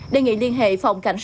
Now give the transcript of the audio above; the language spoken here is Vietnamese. đề nghị liên hệ phòng cảnh